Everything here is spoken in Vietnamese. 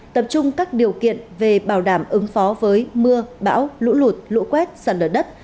hai tập trung các điều kiện về bảo đảm ứng phó với mưa bão lũ lụt lũ quét